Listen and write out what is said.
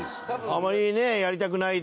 あまりね、やりたくない。